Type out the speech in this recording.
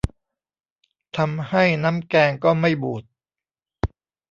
ทำให้น้ำแกงก็ไม่บูด